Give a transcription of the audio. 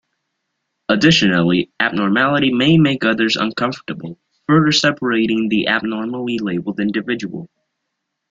Additionally, abnormality may make others uncomfortable, further separating the abnormally labelled individual.